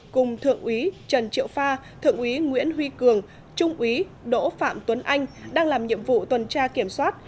cùng thượng úy trần triệu pha thượng úy nguyễn huy cường trung úy đỗ phạm tuấn anh đang làm nhiệm vụ tuần tra kiểm soát